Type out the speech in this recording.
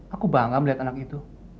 aku bangga melihat anak itu